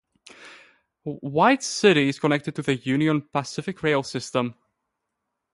White City is connected to the Union Pacific rail system.